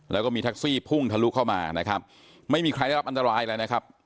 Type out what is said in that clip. แล้วก็มีแท็กซี่พุ่งทะลุเข้ามานะครับไม่มีใครได้รับอันตรายอะไรนะครับ